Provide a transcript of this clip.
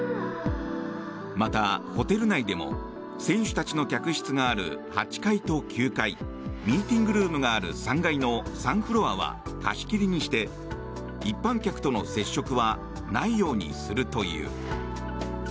また、ホテル内でも選手たちの客室がある８階と９階ミーティングルームがある３階の３フロアは貸し切りにして一般客との接触はないようにするという。